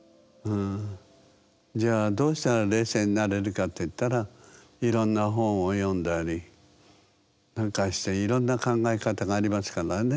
じゃあどうしたら冷静になれるかっていったらいろんな本を読んだりなんかしていろんな考え方がありますからねえ